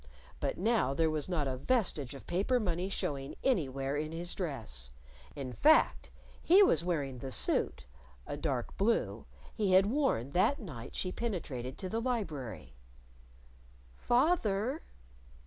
But now there was not a vestige of paper money showing anywhere in his dress. In fact, he was wearing the suit a dark blue he had worn that night she penetrated to the library. "Fath er."